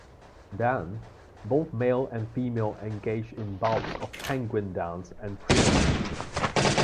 Then, both male and female engage in bouts of penguin dance and preening.